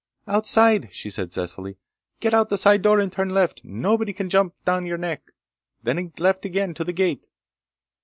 "Outside," she said zestfully. "Get out the side door and turn left, and nobody can jump down on your neck. Then left again to the gate."